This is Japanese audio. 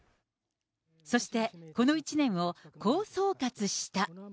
そして、この１年をこう総括した。